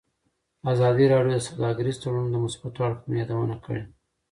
ازادي راډیو د سوداګریز تړونونه د مثبتو اړخونو یادونه کړې.